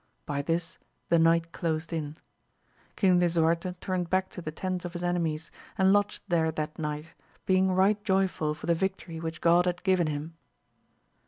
By this the night closed in. King Lisuarte turned back to the tents of his enemies, and lodged there that night, being right joyful for the victory which God had given him.